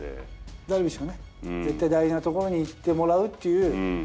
ダルビッシュはね、絶対大事なところにいってもらうっていう。